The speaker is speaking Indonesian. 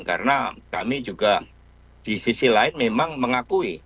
karena kami juga di sisi lain memang mengakui